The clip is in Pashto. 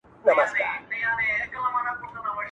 • جل وهلی سوځېدلی د مودو مودو راهیسي ..